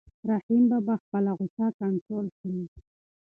رحیم باید خپله غوسه کنټرول کړي.